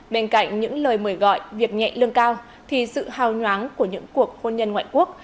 bên cạnh những lời mời gọi việc nhẹ lương cao thì sự hào nhoáng của những cuộc hôn nhân ngoại quốc